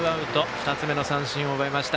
２つ目の三振を奪いました。